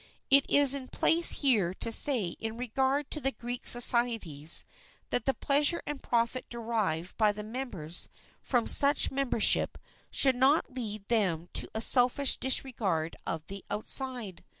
It is in place here to say in regard to the Greek societies that the pleasure and profit derived by the members from such membership should not lead them to a selfish disregard of those outside.